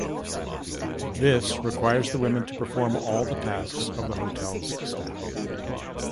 This requires the women to perform all the tasks of the hotel's staff.